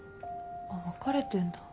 あっ別れてんだ。